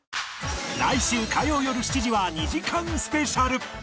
来週火曜よる７時は２時間スペシャル